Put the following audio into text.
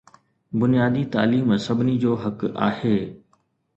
بنيادي تعليم سڀني جو حق آهي